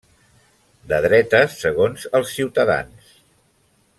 De dretes segons els ciutadans.